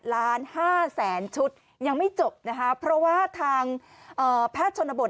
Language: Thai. ล้านห้าแสนชุดยังไม่จบนะคะเพราะว่าทางแพทย์ชนบท